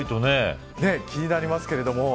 気になりますね。